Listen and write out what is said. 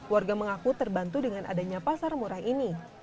warga mengaku terbantu dengan adanya pasar murah ini